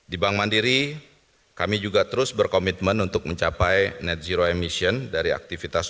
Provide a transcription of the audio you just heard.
di bank mandiri kami juga terus berkomitmen untuk mencapai net zero emission dari aktivitas